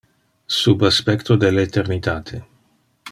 Sub aspecto del eternitate.